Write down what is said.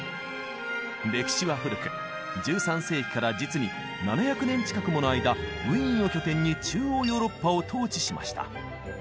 歴史は古く１３世紀から実に７００年近くもの間ウィーンを拠点に中央ヨーロッパを統治しました。